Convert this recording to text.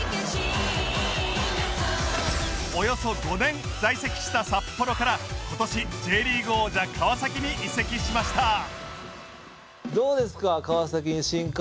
およそ５年在籍した札幌から今年 Ｊ リーグ王者川崎に移籍しました